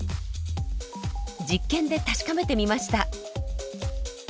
実験で確かめてみました。